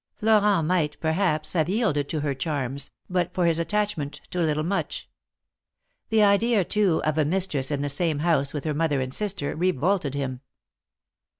Florent might, perhaps, have yielded to her charms, but for his attachment to little Much. The idea, too, of a mistress in the same house with her mother and sister, revolted him.